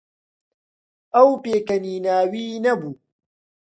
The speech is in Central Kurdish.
ئەو پێکەنیناوی نەبوو.